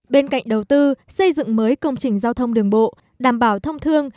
bên cạnh đầu tư xây dựng mới công trình giao thông đường bộ đảm bảo thông thương